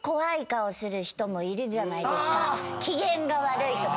機嫌が悪いとか。